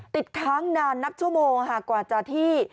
ติดค้างนานนับชั่วโมงกว่าจะที่